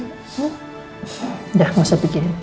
udah gak usah pikirin